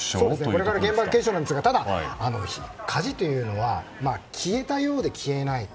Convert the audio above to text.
これから現場検証ですがただ、火事というのは消えたようで消えないと。